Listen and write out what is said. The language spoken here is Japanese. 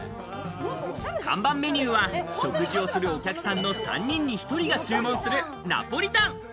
看板メニューは食事をするお客さんの３人に１人が注文するナポリタン。